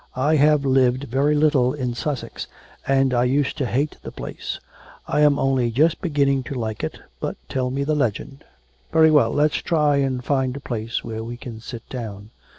'I have lived very little in Sussex, and I used to hate the place; I am only just beginning to like it. But tell me the legend.' 'Very well; let's try and find a place where we can sit down.